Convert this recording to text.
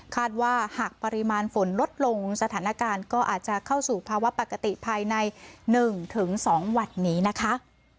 หากว่าหากปริมาณฝนลดลงสถานการณ์ก็อาจจะเข้าสู่ภาวะปกติภายใน๑๒วันนี้นะคะ